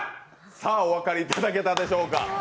さあ、お分かりいただけたでしょうか？